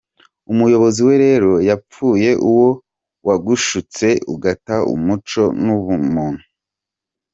umukozi we rero yapfuye uwo wagushutse ugata umuco nubumuntu.